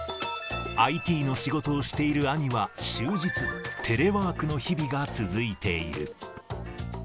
ＩＴの仕事をしている兄は終日、テレワークの日々が続いている。